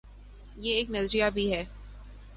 یہ ایک نظریہ بھی ہے۔